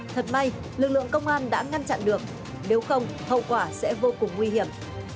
thật may lực lượng công an đã ngăn chặn được nếu không hậu quả sẽ vô cùng nguy hiểm